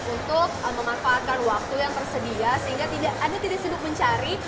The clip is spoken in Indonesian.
untuk memanfaatkan waktu yang tersedia sehingga anda tidak sibuk mencari